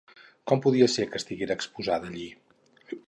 Com podia ser que estiguera exposada allí?